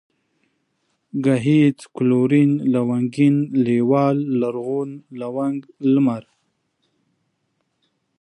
گهيځ ، گلورين ، لونگين ، لېوال ، لرغون ، لونگ ، لمر